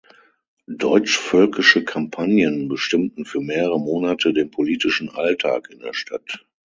Deutschvölkische Kampagnen bestimmten für mehrere Monate den politischen Alltag in der Stadt.